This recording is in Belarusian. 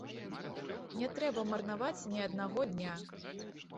Не трэба марнаваць ні аднаго дня.